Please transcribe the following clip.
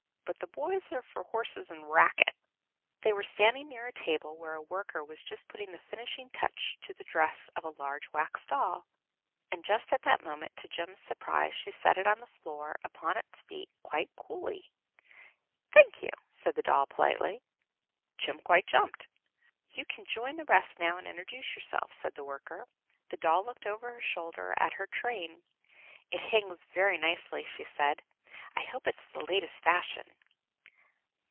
but the boys are for horses and racket." They were standing near a table where a worker was just putting the finishing touch to the dress of a large wax doll, and just at that moment, to Jem's surprise, she set it on the floor, upon its feet, quite coolly. "Thank you," said the doll, politely. Jem quite jumped. "You can join the rest now and introduce yourself," said the worker. The doll looked over her shoulder at her train. "It hangs very nicely," she said. "I hope it's the latest fashion."